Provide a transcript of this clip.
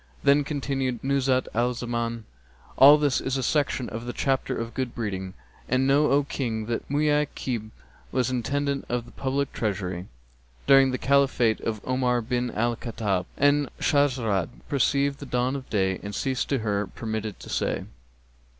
Then continued Nuzhat al Zaman, "And all this is a section of the chapter of good breeding, and know O King, that Muaykib was intendant of the public treasury during the Caliphate of Omar bin al Khattáb,"—And Shahrazad perceived the dawn of day and ceased to say her permitted say.